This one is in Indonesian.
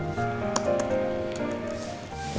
selamat siang bu